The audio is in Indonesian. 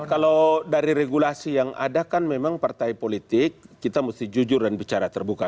kalau dari regulasi yang ada kan memang partai politik kita mesti jujur dan bicara terbuka